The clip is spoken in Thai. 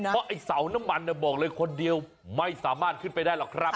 เพราะไอ้เสาน้ำมันบอกเลยคนเดียวไม่สามารถขึ้นไปได้หรอกครับ